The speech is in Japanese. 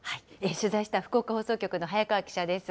取材した福岡放送局の早川記者です。